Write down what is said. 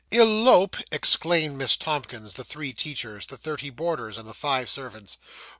'Elope!' exclaimed Miss Tomkins, the three teachers, the thirty boarders, and the five servants.